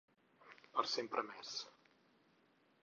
Per sempre més.